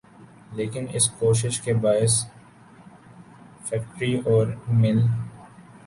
لیکن اس کوشش کے باعث فیکٹری اور میل